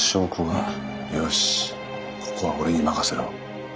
よしここは俺に任せろ。